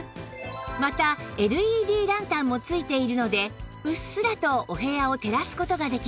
また ＬＥＤ ランタンも付いているのでうっすらとお部屋を照らす事ができます